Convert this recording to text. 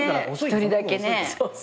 １人だけね。